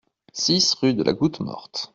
six rue de la Goutte Morte